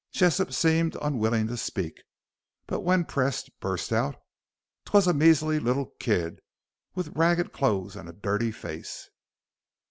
Jessop seemed unwilling to speak, but when pressed burst out, "'Twas a measily little kid with ragged clothes and a dirty face."